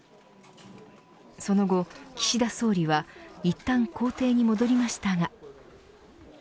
その後、岸田総理はいったん公邸に戻りましたが。